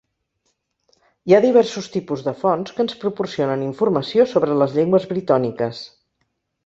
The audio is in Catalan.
Hi ha diversos tipus de fonts que ens proporcionen informació sobre les llengües britòniques.